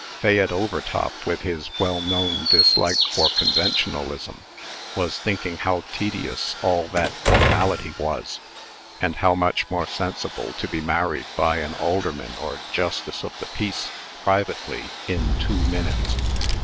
Fayette Overtop, with his well known dislike for conventionalism, was thinking how tedious all that formality was, and how much more sensible to be married by an alderman or justice of the peace, privately, in two minutes.